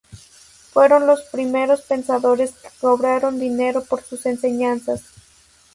Fueron los primeros pensadores que cobraron dinero por sus enseñanzas.